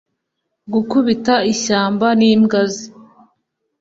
Gukubita ishyamba nimbwa ze